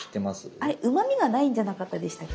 あれうまみがないんじゃなかったでしたっけ？